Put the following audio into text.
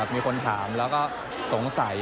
มีคนถามแล้วก็สงสัย